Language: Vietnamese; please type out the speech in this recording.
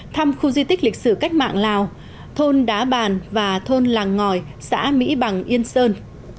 thăm khu di tích lịch sử cách mạng lào thôn đá bàn và thôn làng ngòi xã mỹ bằng yên sơn